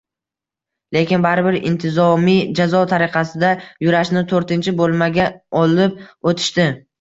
Lekin baribir intizomiy jazo tariqasida Yurashni toʻrtinchi boʻlmaga olib oʻtishdi.